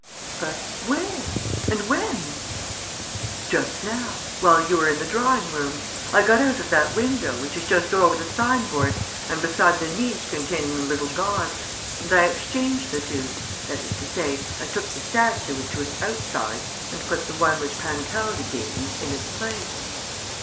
"But where? And when?" "Just now, while you were in the drawing room. I got out of that window, which is just over the signboard and beside the niche containing the little god. And I exchanged the two, that is to say, I took the statue which was outside and put the one which Pancaldi gave me in its place."